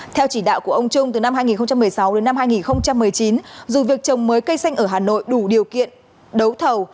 theo chỉ đạo của ông trung từ năm hai nghìn một mươi sáu đến năm hai nghìn một mươi chín dù việc trồng mới cây xanh ở hà nội đủ điều kiện đấu thầu